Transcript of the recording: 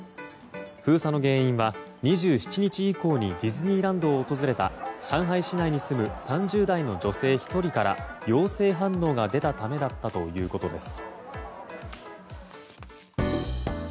封鎖の原因は、２７日以降にディズニーランドを訪れた上海市内に住む３０代の女性１人から陽性反応が出たためだったということです。